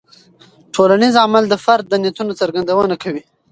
ټولنیز عمل د فرد د نیتونو څرګندونه کوي.